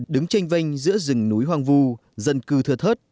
đứng tranh vanh giữa rừng núi hoàng vu dân cư thưa thớt